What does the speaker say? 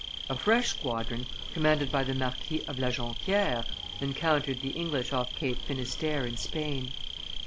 A fresh squadron, commanded by the Marquis of La Jonquiere, encountered the English off Cape Finisterre in Spain.